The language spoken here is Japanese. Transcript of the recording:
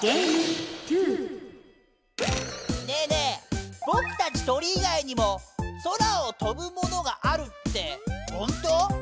ねえねえぼくたち鳥いがいにも空を飛ぶものがあるって本当？